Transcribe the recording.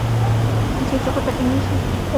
چې هېڅوک ورته ټینګ نشي درېدلای.